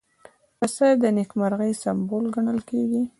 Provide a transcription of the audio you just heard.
پسه د نېکمرغۍ سمبول ګڼل کېږي.